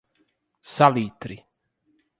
Salitre